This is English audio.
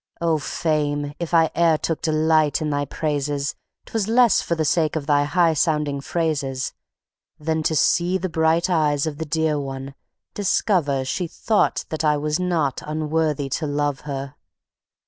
Oh Fame! if I e'er took delight in thy praises, 'Twas less for the sake of thy high sounding phrases, Than to see the bright eyes of the dear one discover, She thought that I was not unworthy to love her.